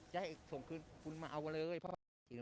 จะให้ส่งคืนคุณมาเอาเลย